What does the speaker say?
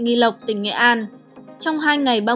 nghi lộc tỉnh nghệ an trong hai ngày